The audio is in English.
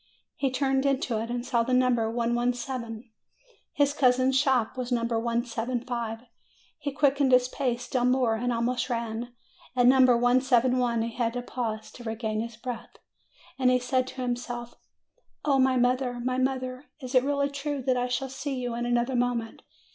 He turned into it, and saw the number 117; his cousin's shop was No. 175. He quickened his pace still more, and almost ran; at No. 171 he had to pause to regain his breath. And he said to himself, "O my mother! my mother! Is it really true that I shall see you in another moment?"